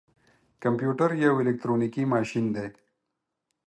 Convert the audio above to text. کمپيوټر يو اليکترونيکي ماشين دی.